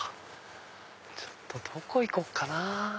ちょっとどこ行こっかな。